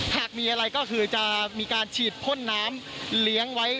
หากมีอะไรก็คือจะมีการฉีดพ่นน้ำเลี้ยงไว้